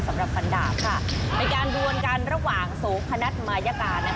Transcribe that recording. สำหรับฟันดาบค่ะเป็นการดวนกันระหว่างโสขนัดมายการนะครับ